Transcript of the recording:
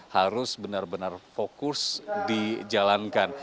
harus benar benar fokus dijalankan